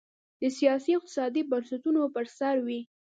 د سیاسي او اقتصادي بنسټونو پر سر وې.